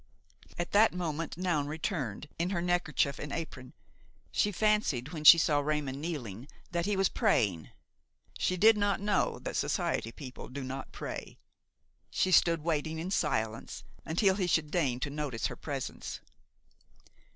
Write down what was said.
At that moment Noun returned, in her neckerchief and apron; she fancied, when she saw Raymon kneeling, that he was praying. She did not know that society people do not pray. She stood waiting in silence, until he should deign to notice her presence.